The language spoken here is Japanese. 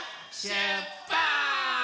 しゅっぱつ！